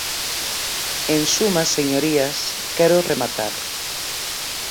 En suma, señorías, quero rematar.